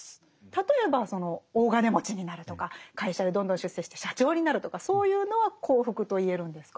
例えばその大金持ちになるとか会社でどんどん出世して社長になるとかそういうのは幸福と言えるんですか？